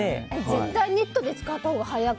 絶対ネットで作ったほうが早い。